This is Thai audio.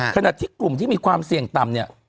ขณะที่กลุ่มที่มีความเสี่ยงต่ำเนี่ย